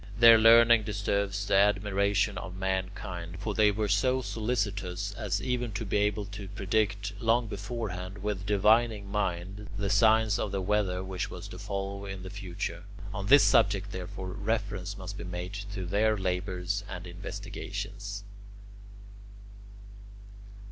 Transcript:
Their learning deserves the admiration of mankind; for they were so solicitous as even to be able to predict, long beforehand, with divining mind, the signs of the weather which was to follow in the future. On this subject, therefore, reference must be made to their labours and investigations.